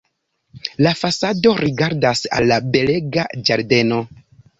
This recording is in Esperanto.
La fasado rigardas al la belega ĝardeno.